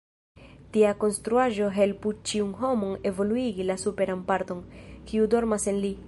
Tia konstruaĵo helpu ĉiun homon evoluigi la superan parton, kiu dormas en li.